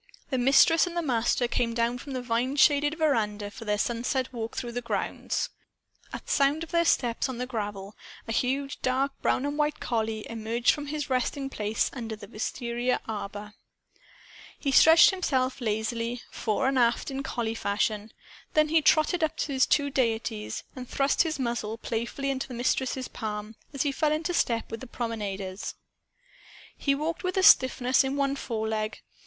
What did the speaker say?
The Mistress and the Master came down from the vine shaded veranda for their sunset walk through the grounds. At sound of their steps on the gravel, a huge dark brown and white collie emerged from his resting place under the wistaria arbor. He stretched himself lazily, fore and aft, in collie fashion. Then he trotted up to his two deities and thrust his muzzle playfully into the Mistress's palm, as he fell into step with the promenaders. He walked with a stiffness in one foreleg.